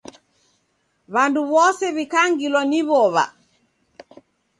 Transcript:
W'andu w'ose w'ikangilwa ni w'ow'a.